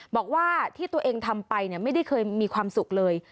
บอกว่าที่ตัวเองทำไปไม่ได้เคยมีความสุขเลย